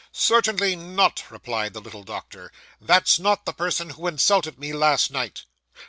'Certainly not,' replied the little doctor. 'That's not the person who insulted me last night.